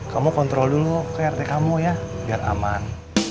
kamu kontrol dulu ke rt kamu ya biar aman